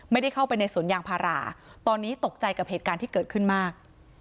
ไม่ได้เข้าไปในสวนยางพาราตอนนี้ตกใจกับเหตุการณ์ที่เกิดขึ้นมาก